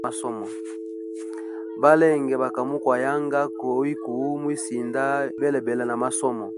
Balenge baka mukwayanga kuwiku mwisinda belabela ma masomo.